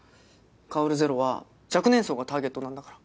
香るＺＥＲＯは若年層がターゲットなんだから。